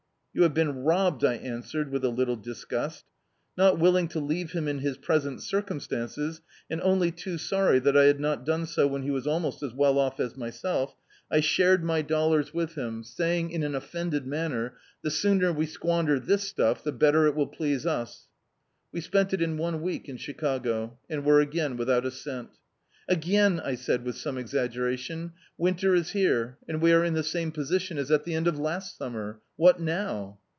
"You have been robbed," I answered, with a little disgust Not will ing to leave him in his present circumstances, and <mly too sorry that I had not done so when he was almost as well off as myself, I shared my dollars I8i] D,i.,.db, Google The Autobiography of a Super Tramp with him, saying in an offended manner — "The sooner we squander this stuff the better it will please us." We spent it in one week in Chicago, and were again without a cent. "Again," I said with some exa^eration, "winter is here, and we are in the same position as at the end of last summer. What now?"